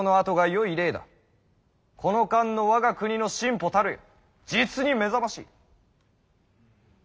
この間の我が国の進歩たるや実に目覚ましい。